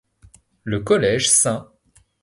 Le collège St.